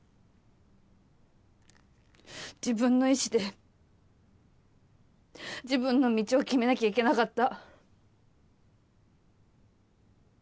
自分の意志で自分の道を決めなきゃいけなかった。